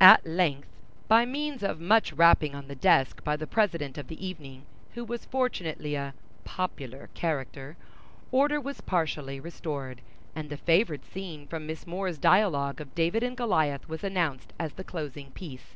At length, by means of much rapping on the desk by the president of the evening, who was fortunately a "popular" character, order was partially restored; and the favorite scene from Miss More's dialogue of David and Goliath was announced as the closing piece.